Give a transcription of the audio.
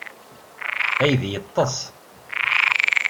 Aydi yeṭṭes.